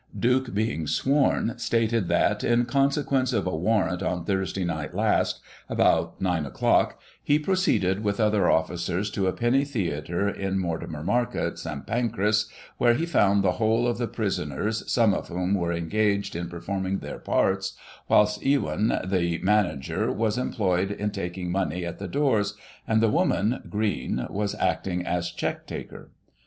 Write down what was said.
Duke being sworn, stated that, in consequence of a warrant, on Thursday night last, about 9 o'clock, he proceeded, with other of&cers, to a penny theatre in Mortimer Market, St. Pancras, where he found the whole of the prisoners, some of whom were engaged in performing their parts, whilst Ewyn, the manager, was employed in taking money at the doors, and the woman. Green, was acting as check taker.